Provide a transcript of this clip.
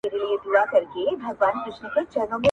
معلومه نه ده چي بوډا ته یې دی غوږ نیولی٫